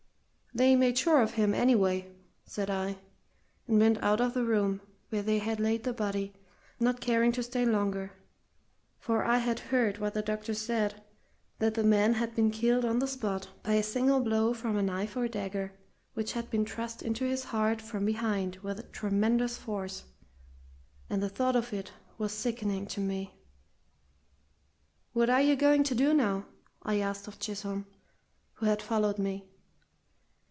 "They made sure of him, anyway," said I, and went out of the room where they had laid the body, not caring to stay longer. For I had heard what the doctor said that the man had been killed on the spot by a single blow from a knife or dagger which had been thrust into his heart from behind with tremendous force, and the thought of it was sickening me. "What are you going to do now?" I asked of Chisholm, who had followed me.